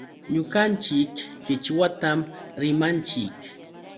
Ñuqanchik qichwatam rimanchik.